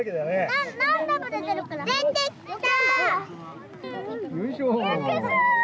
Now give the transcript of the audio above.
出てきた。